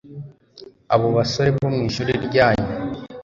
abo basore bo mwishuri ryanyu